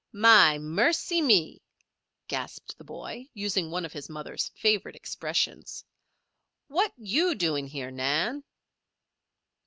"My mercy me!" gasped the boy, using one of his mother's favorite expressions. "What you doing here, Nan?"